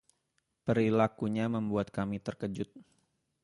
Perilakunya membuat kami terkejut.